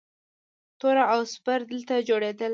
توره او سپر دلته جوړیدل